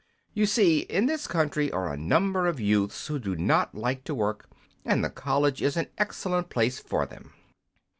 You see, in this country are a number of youths who do not like to work, and the college is an excellent place for them."